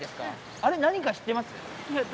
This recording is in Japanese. あれ何か知っています？